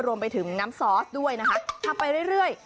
รวมไปถึงน้ำซอสด้วยนะคะทำไปเรื่อย